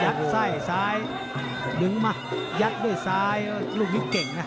ไส้ซ้ายดึงมายัดด้วยซ้ายลูกนี้เก่งนะ